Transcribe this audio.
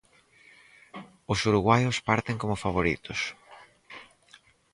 Os uruguaios parten como favoritos.